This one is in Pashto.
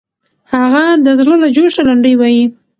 هغه د زړه له جوشه لنډۍ وایي.